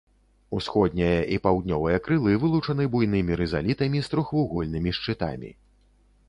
Усходняе і паўднёвае крылы вылучаны буйнымі рызалітамі з трохвугольнымі шчытамі.